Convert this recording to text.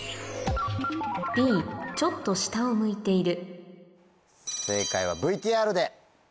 「Ｂちょっと下を向いている」